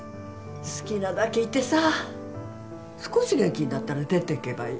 好きなだけいてさ少し元気になったら出ていけばいい。